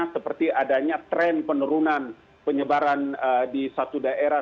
seperti adanya tren penurunan penyebaran di satu daerah